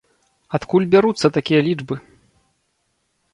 Адкуль бяруцца такія лічбы?